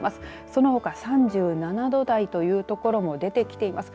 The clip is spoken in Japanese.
そのほか３７度台という所も出てきています。